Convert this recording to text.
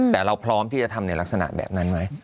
แต่เราพร้อมที่จะทำในลักษณะแบบนั้นไหม